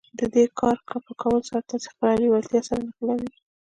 د دې کار په کولو سره تاسې خپله لېوالتیا سره نښلوئ.